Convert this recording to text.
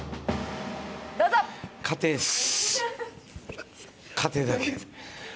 家庭です。